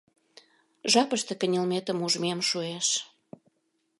Жапыште кынелметым ужмем шуэш.